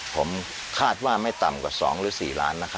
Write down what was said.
ผมคาดว่าไม่ต่ำกว่า๒หรือ๔ล้าน